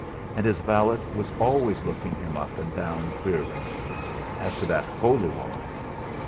And his valet was always looking him up and down queerly. As to that holy woman